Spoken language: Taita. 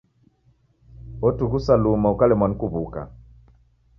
Otughusa luma ukalemwa ni kuw'uka.